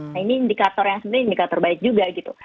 nah ini indikator yang sebenarnya indikator baik juga gitu